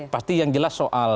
pasti yang jelas soal